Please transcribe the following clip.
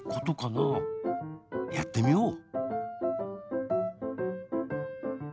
やってみよう。